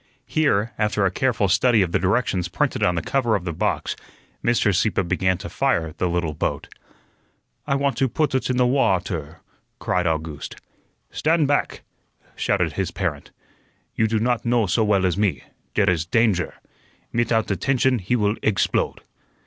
Here, after a careful study of the directions printed on the cover of the box, Mr. Sieppe began to fire the little boat. "I want to put ut in the wa ater," cried August. "Stand back!" shouted his parent. "You do not know so well as me; dere is dandger. Mitout attention he will eggsplode."